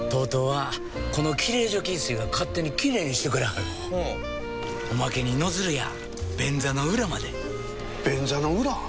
ＴＯＴＯはこのきれい除菌水が勝手にきれいにしてくれはるほうおまけにノズルや便座の裏まで便座の裏？